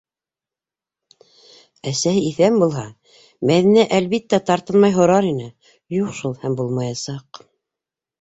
Әсәһе иҫән булһа, Мәҙинә, әлбиттә, тартынмай һорар ине, юҡ шул һәм булмаясаҡ.